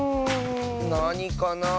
なにかなあ。